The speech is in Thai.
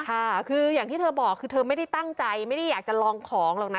ค่ะคืออย่างที่เธอบอกคือเธอไม่ได้ตั้งใจไม่ได้อยากจะลองของหรอกนะ